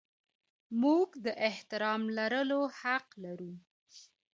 موږ د احترام لرلو حق لرو.